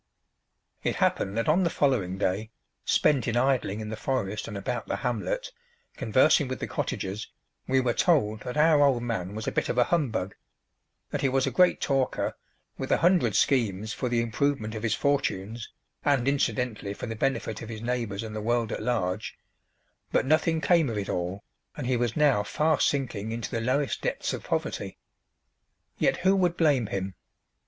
It happened that on the following day, spent in idling in the forest and about the hamlet, conversing with the cottagers, we were told that our old man was a bit of a humbug; that he was a great talker, with a hundred schemes for the improvement of his fortunes, and, incidently, for the benefit of his neighbours and the world at large; but nothing came of it all and he was now fast sinking into the lowest depths of poverty. Yet who would blame him?